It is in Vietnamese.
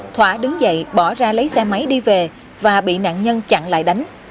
thỏa đứng dậy bỏ ra lấy xe máy đi về và bị nạn nhân chặn lại đánh